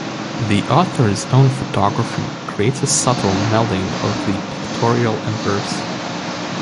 The author's own photography creates a subtle melding of the pictorial and verse.